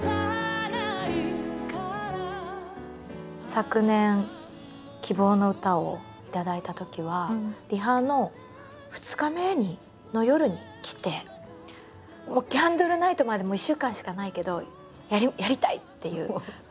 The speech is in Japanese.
昨年「希望のうた」を頂いたときはリハの２日目の夜に来て「ＣＡＮＤＬＥＮＩＧＨＴ」まで１週間しかないけどやりたいっていう。